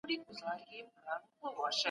سياسي ثبات د اقتصادي پرمختګ کيلي ده.